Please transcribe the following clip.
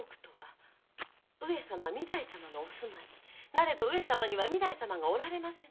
なれど上様には御台様がおられませぬ。